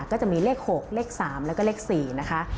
ก็จะมีเลข๖เลข๓แล้วก็เลข๔นะคะ